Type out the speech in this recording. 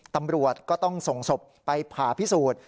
ตำรวจก็ต้องส่งศพไปผ่าพิสูจน์